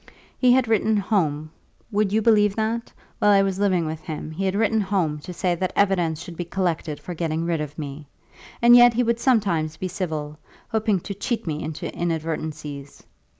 He had written home, would you believe that? while I was living with him he had written home to say that evidence should be collected for getting rid of me. And yet he would sometimes be civil, hoping to cheat me into inadvertencies.